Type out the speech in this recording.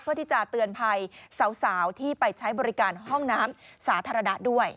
เพื่อที่จะเตือนภัยสาวที่ไปใช้บริการห้องน้ำสาธารณะด้วย